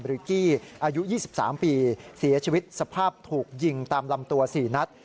กี้อายุ๒๓ปีเสียชีวิตสภาพถูกยิงตามลำตัว๔นัด